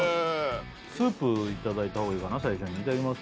スープいただいた方がいいかな最初にいただきます